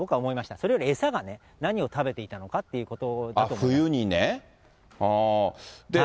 それより餌がね、何を食べていたのかっていうことだと思います。